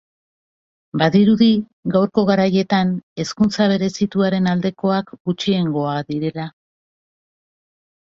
Badirudi gaurko garaietan hezkuntza berezituaren aldekoak gutxiengoa direla.